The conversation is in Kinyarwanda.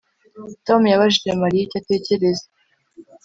Tom yabajije Mariya icyo atekereza